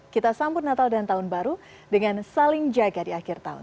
kita sambut natal dan tahun baru dengan saling jaga di akhir tahun